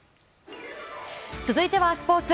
続いてはスポーツ。